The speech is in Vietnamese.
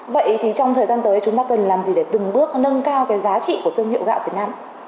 vậy thì trong thời gian tới chúng ta cần làm gì để từng bước nâng cao cái giá trị của thương hiệu gạo việt nam